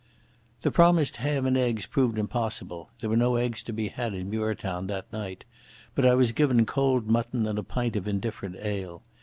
The promised ham and eggs proved impossible—there were no eggs to be had in Muirtown that night—but I was given cold mutton and a pint of indifferent ale.